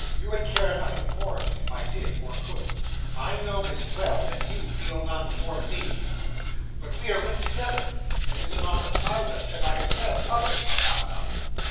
You would care nothing for it, if I did or could. I know as well that you feel none towards me. But we are linked together; and in the knot that ties us, as I have said, others are bound up.